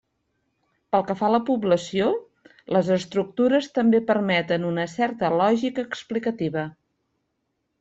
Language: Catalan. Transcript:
Pel que fa a la població, les estructures també permeten una certa lògica explicativa.